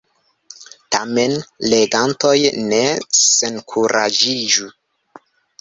Tamen, legantoj, ne senkuraĝiĝu.